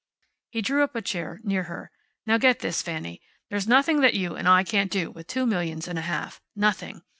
He drew up a chair near her. "Now get this, Fanny. There's nothing that you and I can't do with two millions and a half. Nothing.